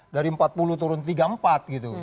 dari empat puluh turun tiga empat gitu